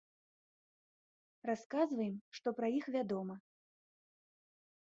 Расказваем, што пра іх вядома.